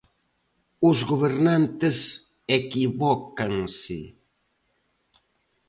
Os gobernantes equivócanse.